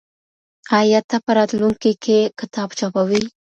آیا ته په راتلونکي کي کتاب چاپوې؟